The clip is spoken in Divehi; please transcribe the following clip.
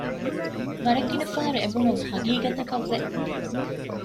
ވަރަށް ގިނަ ފަހަރު އެބުނުން ހަގީގަތަކަށް ވެ